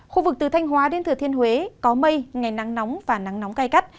khu vực từ thanh hóa đến thừa thiên huế có mây ngày nắng nóng và nắng nóng cay cắt